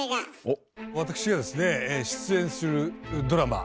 私がですね出演するドラマ